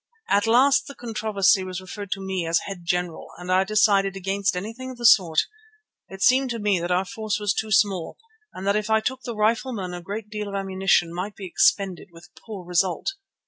At last the controversy was referred to me as head general and I decided against anything of the sort. It seemed to me that our force was too small, and that if I took the rifle men a great deal of ammunition might be expended with poor result.